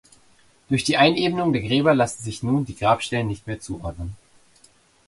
Durch die Einebnung der Gräber lassen sich nun die Grabstellen nicht mehr zuordnen.